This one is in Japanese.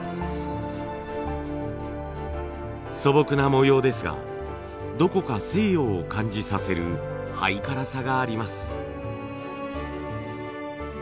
素朴な模様ですがどこか西洋を感じさせるハイカラさがあります。